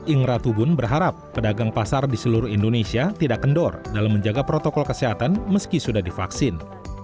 ingra tubun berharap pedagang pasar di seluruh indonesia tidak kendor dalam menjaga protokol kesehatan meski sudah divaksin